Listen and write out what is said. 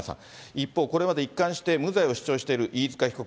一方、これまで一貫して無罪を主張している飯塚被告。